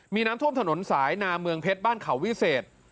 มีน้ำท่วมถนนสายนาเมืองเพชรบ้านเขาวิเศษ